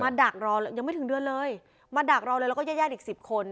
มาดักรอยังไม่ถึงเดือนเลยมาดักรอแล้วก็แย่อีก๑๐คน